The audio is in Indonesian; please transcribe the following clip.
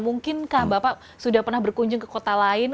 mungkinkah bapak sudah pernah berkunjung ke kota lain